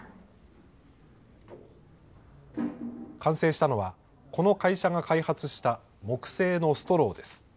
完成したのは、この会社が開発した木製のストローです。